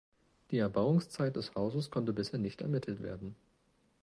Die Erbauungszeit des Hauses konnte bisher nicht ermittelt werden.